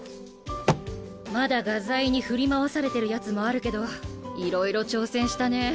まだ画材に振り回されてるやつもあるけどいろいろ挑戦したね。